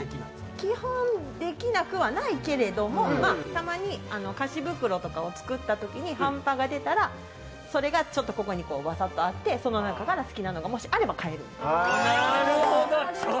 基本、できなくはないけれどもたまに菓子袋とかを作った時に半端が出たらここにそれがバサッとあってその中から好きなものがもしあれば買える。